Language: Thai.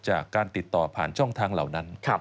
จากการติดต่อผ่านช่องทางเหล่านั้น